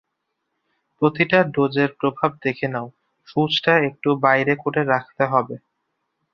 প্রতিটা ডোজের প্রভাব দেখে নাও, সূঁচটা একটু বাইরে করে রাখতে হবে।